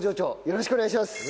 よろしくお願いします。